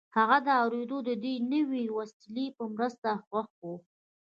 هغه د اورېدلو د دې نوې وسیلې په مرسته خوښ و